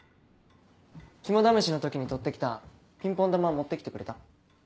肝試しの時に取って来たピンポン球を持って来てくれた？